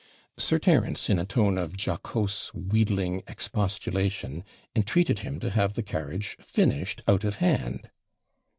Sir Terence, in a tone of jocose, wheedling expostulation, entreated him to have the carriage finished OUT OF HAND.